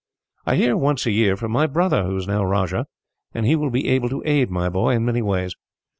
"I hear, once a year, from my brother, who is now rajah; and he will be able to aid my boy, in many ways.